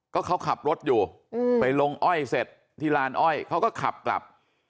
ก็เขาขับรถอยู่ไปลงอ้อยเสร็จที่ลานอ้อยเขาก็ขับกลับ